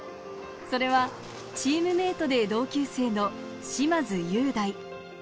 それはチームメートで同級生の嶋津雄大。